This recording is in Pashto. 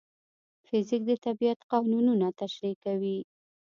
فزیک د طبیعت قانونونه تشریح کوي.